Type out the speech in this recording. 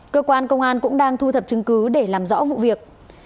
cơ quan công an cũng đang thu thập chứng cứ để làm rõ vụ việc